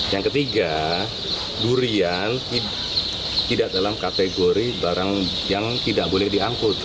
yang ketiga durian tidak dalam kategori barang yang tidak boleh diangkut